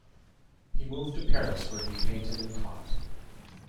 He moved to Paris where he painted and taught.